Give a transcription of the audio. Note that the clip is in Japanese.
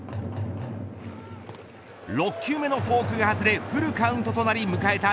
６球目のフォークが外れフルカウントとなり迎えた